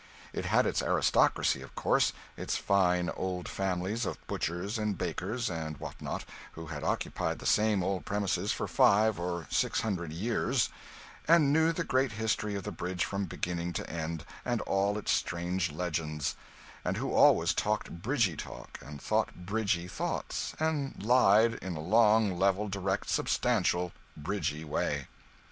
It had its aristocracy, of course its fine old families of butchers, and bakers, and what not, who had occupied the same old premises for five or six hundred years, and knew the great history of the Bridge from beginning to end, and all its strange legends; and who always talked bridgy talk, and thought bridgy thoughts, and lied in a long, level, direct, substantial bridgy way.